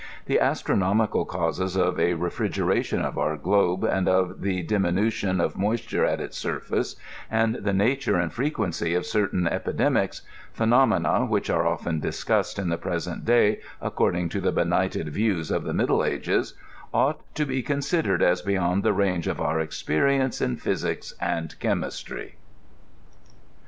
The aetroBiomieal causes q£ a refir^eration of ewe globe, and of the diminution of moisture at its Bur£uoe», and the nature and frequency of certain eptdemics*— phenomena which are often discussed in the present day aecordi^ to the^ benighted views of the Middle Ages— «ught to be considered a^ beyond the range of our experience ia nhysics and chenuatiy.